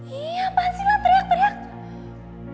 iya apaan sih lo teriak teriak